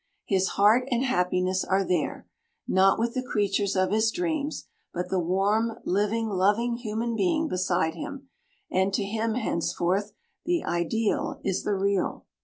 His heart and happiness are there not with the creatures of his dreams, but the warm, living, loving human being beside him, and to him, henceforth, the ideal is the real.